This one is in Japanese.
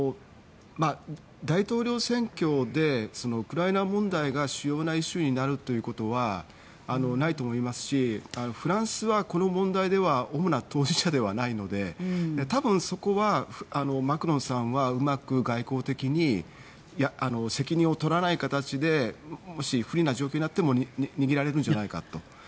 大統領選挙でウクライナ問題が主要なイシューになるということはないと思いますしフランスはこの問題では主な当事者ではないので多分、そこはマクロンさんはうまく外交的に責任を取らない形でもし不利な状況になっても逃げられるんじゃないかと。